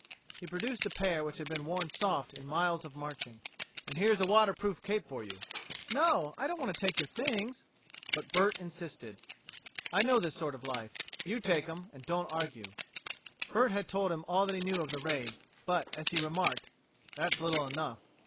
He produced a pair which had been worn soft in miles of marching. "And here's a waterproof cape for you." "No, I don't want to take your things." But Bert insisted. "I know this sort of life. You take 'em and don't argue." Bert had told him all that he knew of the raid, but, as he remarked, "that's little enough."